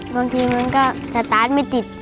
บางทีมันก็สตาร์ทไม่ติด